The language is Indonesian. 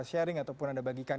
sharing ataupun anda bagikan